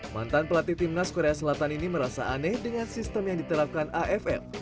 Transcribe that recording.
mantan pelatih timnas korea selatan ini merasa aneh dengan sistem yang diterapkan aff